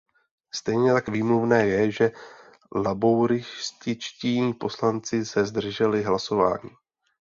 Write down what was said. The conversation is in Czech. Stejně tak výmluvné je, že labourističtí poslanci se zdrželi hlasování.